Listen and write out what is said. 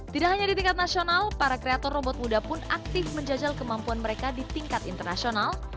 tidak hanya di tingkat nasional para kreator robot muda pun aktif menjajal kemampuan mereka di tingkat internasional